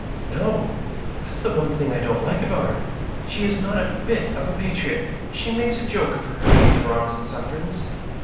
"No; that's the one thing I don't like about her. She is not a bit of a patriot ; she makes a joke of her country's wrongs and sufferings.